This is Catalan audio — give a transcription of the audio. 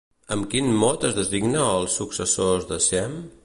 Amb quin mot es designa als successors de Sem?